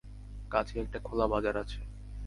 কাছেই একটা খোলা বাজার আছে।